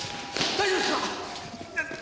大丈夫ですか？